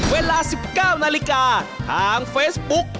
เวลา๑๙นาฬิกาทางเฟซบุ๊ก